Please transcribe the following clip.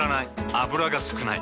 油が少ない。